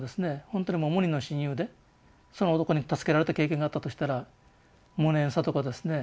本当にもう無二の親友でその男に助けられた経験があったとしたら無念さとかですね